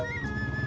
terima kasih pak